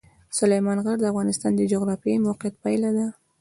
سلیمان غر د افغانستان د جغرافیایي موقیعت پایله ده.